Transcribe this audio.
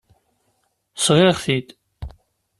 Sɣiɣ-t-id.